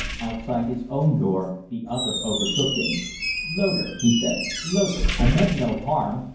Outside his own door the other overtook him. "Loder!" he said. "Loder! I meant no harm.